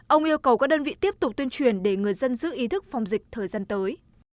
ông yêu cầu các đơn vị tiếp tục tuyên truyền để người dân giữ ý thức phòng dịch thời gian tới